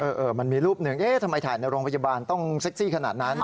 เออมันมีรูปหนึ่งเอ๊ะทำไมถ่ายในโรงพยาบาลต้องเซ็กซี่ขนาดนั้น